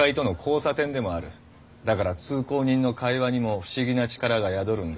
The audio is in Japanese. だから通行人の会話にも不思議な力が宿るんだ。